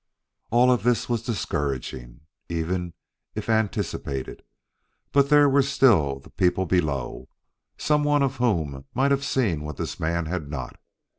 All of this was discouraging, even if anticipated; but there were still the people below, some one of whom might have seen what this man had not.